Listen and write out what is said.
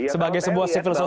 sebagai sebuah civil society